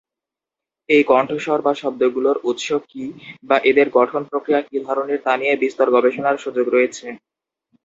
এই কণ্ঠস্বর বা শব্দগুলোর উৎস কি বা এদের গঠন প্রক্রিয়া কি ধরনের তা নিয়ে বিস্তর গবেষণার সুযোগ রয়েছে।